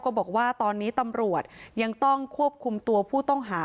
บอกว่าตอนนี้ตำรวจยังต้องควบคุมตัวผู้ต้องหา